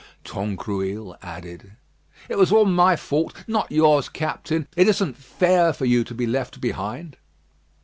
Tangrouille added: "It was all my fault not yours, Captain. It isn't fair for you to be left behind."